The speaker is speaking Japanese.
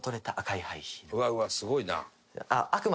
うわうわっすごいな。